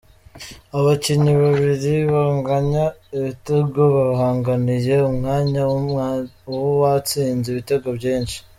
Abakinnyi babiri banganya ibitego bahanganiye umwanya w’uwatsinze ibitego byinshi .